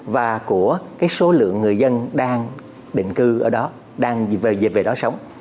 và của số lượng người dân đang định cư ở đó đang về đó sống